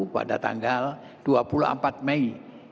pada tanggal dua puluh empat mei